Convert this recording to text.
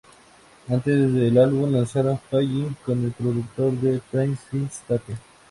Antes del álbum lanzaron "Falling" con el productor de Trance First State.